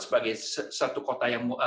sebagai satu kota yang